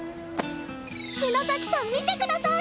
篠崎さん見てください！